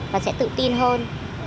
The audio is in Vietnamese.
và sẽ tự tin hơn